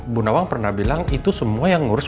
bu nawang pernah bilang itu semua yang ngurus